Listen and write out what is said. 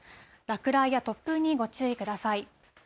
落雷や突風にご注意ください。